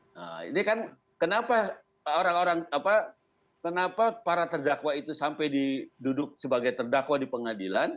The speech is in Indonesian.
nah ini kan kenapa orang orang apa kenapa para terdakwa itu sampai diduduk sebagai terdakwa di pengadilan